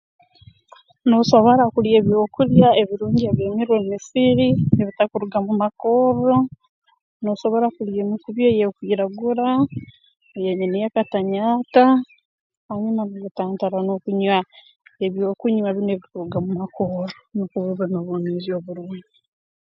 Noosobora kulya ebyokulya ebirungi ebirimirwe mu misiri ebitakuruga mu makorro noosobora kulya emikubi eyeekwiragura eya nyineeka-tanyaata hanyuma nooyetantara okunywa ebyokunywa binu ebikuruga mu makorro nukwo obe n'obwomeezi oburungi